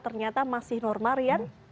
ternyata masih normal rian